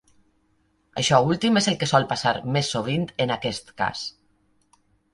Això últim és el que sol passar més sovint en aquest cas.